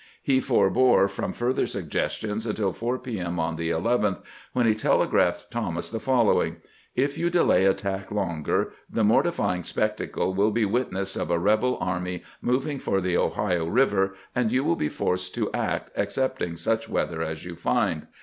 He forbore from further suggestions untU 4 p. M. on the 11th, when he telegraphed Thomas the following :" If you delay attack longer, the mortifying spectacle will be witnessed of a rebel army moving for the Ohio Eiver, and you will be forced to act, accepting such weather as you find.